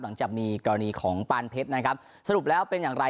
หลังจากมีกรณีของปานเพชรนะครับสรุปแล้วเป็นอย่างไร